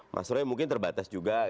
mas roy mungkin terbatas juga